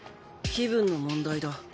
気分の問題だ。